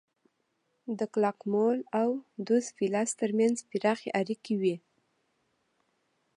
د کلاکمول او دوس پیلاس ترمنځ پراخې اړیکې وې